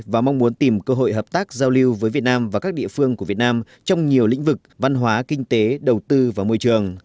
và mong muốn tìm cơ hội hợp tác giao lưu với việt nam và các địa phương của việt nam trong nhiều lĩnh vực văn hóa kinh tế đầu tư và môi trường